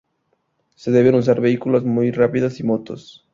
Se deben usar vehículos muy rápidos y motos.